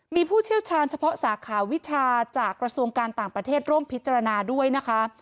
มีผู้เชี่ยวชาญเฉพาะสาขาวิชาจากกระทรวงการต่างประเทศร่วมพิจารณาด้วยนะคะ